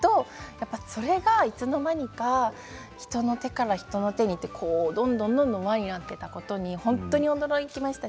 それがいつの間にか人の手に人の手にどんどん輪になっていったことに本当に驚きました。